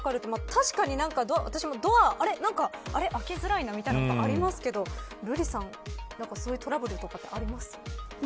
確かに私もドアはあれ、なんか開けづらいなということ、ありますけど瑠麗さん、そういうトラブルはありますか。